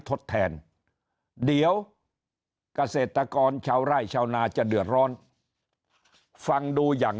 ทดแทนเดี๋ยวเกษตรกรชาวไร่ชาวนาจะเดือดร้อนฟังดูอย่าง